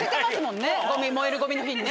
燃えるゴミの日にね。